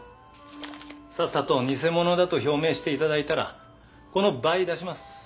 さっさと偽物だと表明していただいたらこの倍出します。